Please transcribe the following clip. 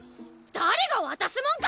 誰が渡すもんか！